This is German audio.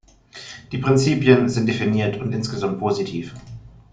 Die Prinzipien sind definiert und insgesamt positiv.